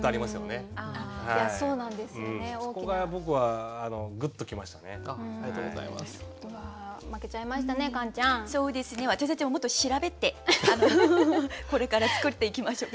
そうですね私たちももっと調べてこれから作っていきましょう。